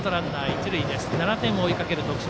７点を追いかける徳島